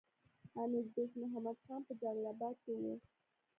امیر دوست محمد خان په جلال اباد کې وو.